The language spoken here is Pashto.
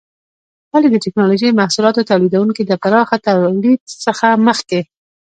ولې د ټېکنالوجۍ محصولاتو تولیدونکي د پراخه تولید څخه مخکې؟